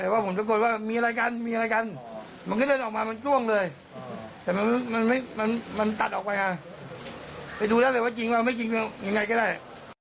ไปดูแล้วเรื่องจริงมันจริงไม่รู้แล้วอย่างไหนก็ได้